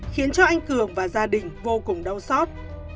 khiến cho anh cường và gia đình vô cùng đau xót